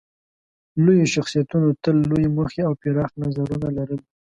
لویو شخصیتونو تل لویې موخې او پراخ نظرونه لرل.